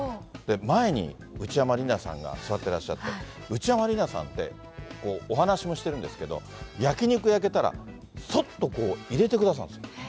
前に内山理名さんが座ってらっしゃって、内山理名さんって、お話もしてるんですけど、焼き肉焼けたら、そっと入れてくださるんです。